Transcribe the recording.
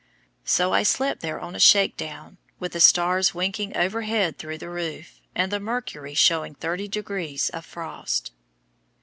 So, I slept there on a shake down, with the stars winking overhead through the roof, and the mercury showing 30 degrees of frost.